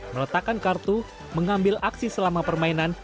meletakkan kartu mengambil aksi selama permainan